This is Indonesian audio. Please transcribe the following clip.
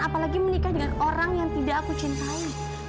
apalagi menikah dengan orang yang tidak aku cintai